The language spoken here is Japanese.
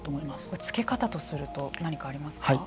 付け方とすると何かありますか。